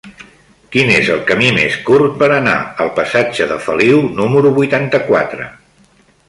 Quin és el camí més curt per anar al passatge de Feliu número vuitanta-quatre?